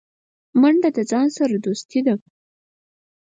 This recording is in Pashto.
منډه د ځان سره دوستي ده